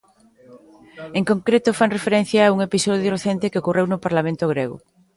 En concreto, fan referencia a un episodio recente que ocorreu no Parlamento grego.